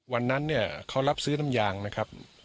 วันนั้นเนี่ยเขารับซื้อน้ำยางนะครับ